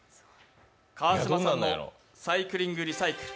川島さんの「サイクリングリサイクル」。